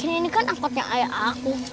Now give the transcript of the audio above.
ini kan angkotnya ayah aku